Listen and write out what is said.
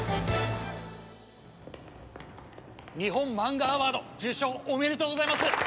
日本マンガアワード受賞おめでとうございます。